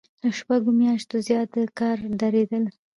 له شپږو میاشتو زیات د کار دریدل.